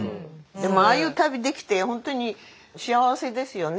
でもああいう旅できてほんとに幸せですよね。